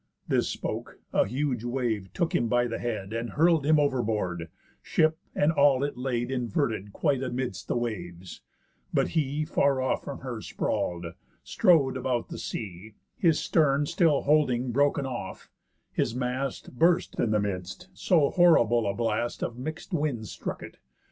This spoke, a huge wave took him by the head, And hurl'd him o'er board; ship and all it laid Inverted quite amidst the waves, but he Far off from her sprawl'd, strow'd about the sea, His stern still holding broken off, his mast Burst in the midst, so horrible a blast Of mix'd winds struck it.